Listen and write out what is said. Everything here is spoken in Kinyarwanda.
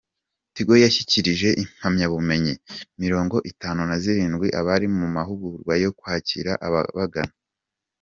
Tigo yashyikirije impamyabumenyi mirongo itanu nazirindwi abari mu mahugurwa yo kwakira ababagana